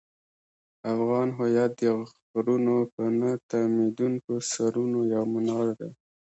افغان هویت د غرونو پر نه تمېدونکو سرونو یو منار دی.